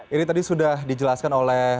ini tadi sudah dijelaskan oleh